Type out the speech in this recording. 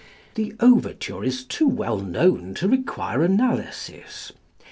The overture is too well known to require analysis.